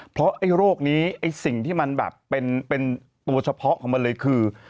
เพราะไอ้โรคนี้ไอ้สิ่งที่มันแบบเป็นตัวเฉพาะของมันเลยคือ